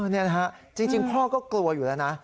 นี่นะฮะจริงพ่อก็กลัวอยู่แล้วนะ